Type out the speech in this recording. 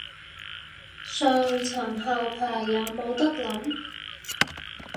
上層後排有冇得諗